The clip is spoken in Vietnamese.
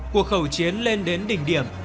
cuộc khẩu chiến lên đến đỉnh điểm